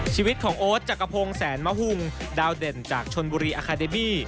ชีวิตของโอ๊ตจักรพงศ์แสนมะหุงดาวเด่นจากชนบุรีอาคาเดมี่